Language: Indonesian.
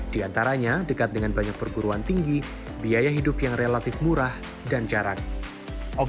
di antaranya dekat dengan banyak perguruan tinggi biaya hidup yang relatif murah dan jarak